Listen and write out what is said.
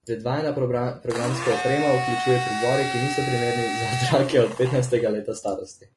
Predvajana programska vsebina vključuje prizore, ki niso primerni za otroke do petnajstega leta starosti.